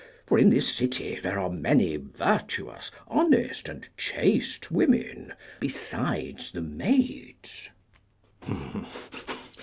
For in this city there are many virtuous, honest, and chaste women besides the maids.